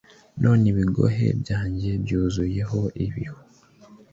none ibigohe byanjye byuzuyeho ibihu